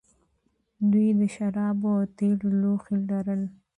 دوی د شرابو او تیلو لوښي لرل